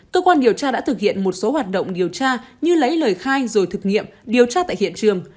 cơ quan điều tra đã thực hiện một số hoạt động điều tra như lấy lời khai rồi thực nghiệm điều tra tại hiện trường